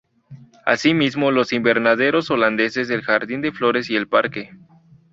Así mismo los invernaderos holandeses, el jardín de flores y el parque.